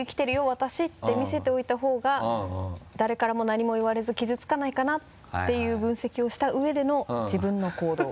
私って見せておいた方が誰からも何も言われず傷つかないかなっていう分析をしたうえでの自分の行動。